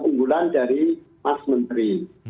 unggulan dari mas menteri